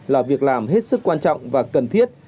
là việc làm hết sức quan trọng và cần thiết